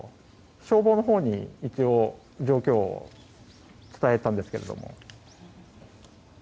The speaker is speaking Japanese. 消防のほうに一応状況を伝えたんですけど。